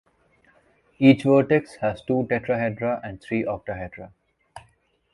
Each vertex has two tetrahedra and three octahedra.